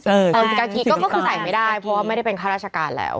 บางทีกาคีก็คือใส่ไม่ได้เพราะว่าไม่ได้เป็นข้าราชการแล้ว